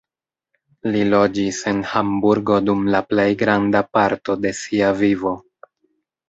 Li loĝis en Hamburgo dum la plej granda parto de sia vivo.